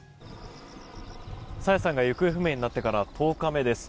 朝芽さんが行方不明になってから１０日目です。